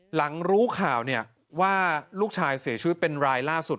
หลังรู้ข่าวเนี่ยว่าลูกชายเสียชีวิตเป็นรายล่าสุด